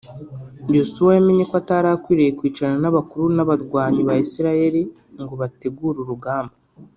yosuwa yamenye ko atarakwiriye kwicarana n'abakuru n'abarwanyi ba Isirayeli ngo bategure urugamba